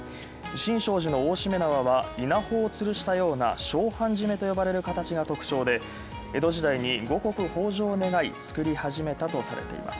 新勝寺の大しめ縄は、稲穂をつるしたような「照範じめ」と呼ばれる形が特徴で、江戸時代に五穀豊穣を願い、作り始めたとされています。